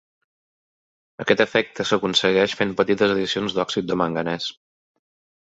Aquest efecte s"aconsegueix fent petites adicions d"òxid de manganès.